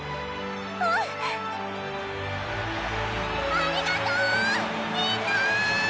ありがとうみんな！